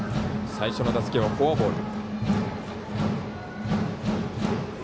最初の打席はフォアボール。